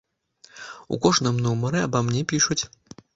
У кожным нумары аба мне пішуць.